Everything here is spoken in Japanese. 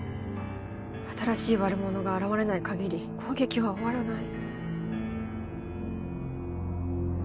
新しい悪者が現れない限り攻撃は終わらない。